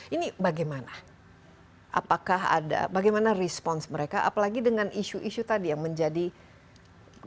ini bagaimana apakah ada bagaimana respons mereka apalagi dengan isu isu tadi yang menjadi perhatian